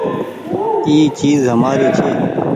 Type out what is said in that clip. اي چيز همآري ڇي۔